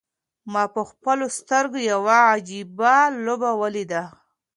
ما په خپلو سترګو یوه عجیبه لوبه ولیده.